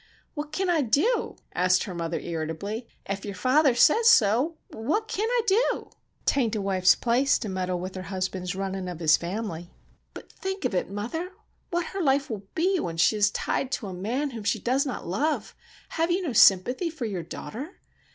"What kin I dew?" asked her mother, irritably; "ef your father sez so, what kin I dew? 'Tain't a wife's place to meddle with her husband's runnin' of his fam'ly." "But think of it, mother, what her life will be when she is tied to a man whom she does not love! Have you no sympathy for your daughter?